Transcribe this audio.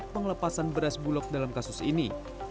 pengelepasan beras bulog dalam kasus ini